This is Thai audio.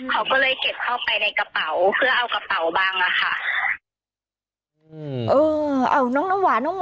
เขาก็เลยเก็บเข้าไปในกระเป๋าเพื่อเอากระเป๋าบังอะค่ะ